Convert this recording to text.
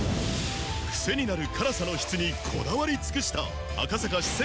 クセになる辛さの質にこだわり尽くした赤坂四川